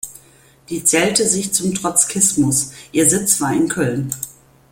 Die zählte sich zum Trotzkismus; ihr Sitz war in Köln.